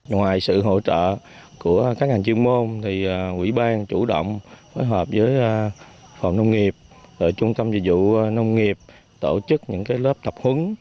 ngoài sự hỗ trợ của các ngành chuyên môn thì quỹ ban chủ động phối hợp với phòng nông nghiệp trung tâm dịch vụ nông nghiệp tổ chức những lớp tập huấn